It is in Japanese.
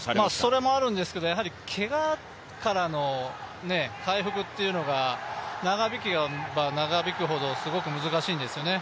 それもあるんですけどやはりけがからの回復っていうのが長引けば長引くほどすごく難しいんですよね。